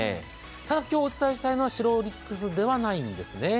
ただ、今日紹介したいのはシロオリックスではないんですね。